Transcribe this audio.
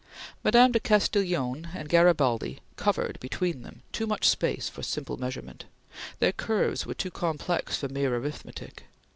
Mme. de Castiglione and Garibaldi covered, between them, too much space for simple measurement; their curves were too complex for mere arithmetic.